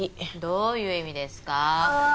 どういう意味ですかぁ。